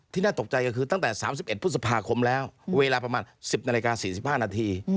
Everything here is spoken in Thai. น่าตกใจก็คือตั้งแต่๓๑พฤษภาคมแล้วเวลาประมาณ๑๐นาฬิกา๔๕นาที